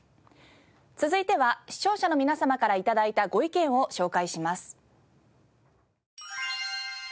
続いては視聴者の皆様から頂いたご意見を紹介します。